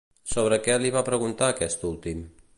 Sobre què li va preguntar aquest últim?